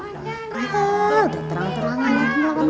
jadi kata ken levlaughing p abertawa